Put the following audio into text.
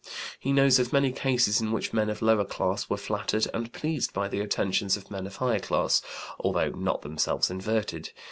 " He knows of many cases in which men of lower class were flattered and pleased by the attentions of men of higher class, although not themselves inverted.